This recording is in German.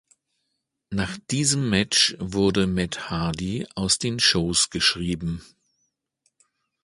Nach diesem Match wurde Matt Hardy aus den Shows geschrieben.